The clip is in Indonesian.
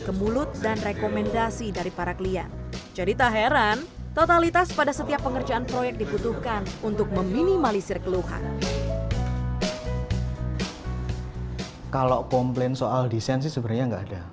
kalau komplain soal desain sih sebenarnya nggak ada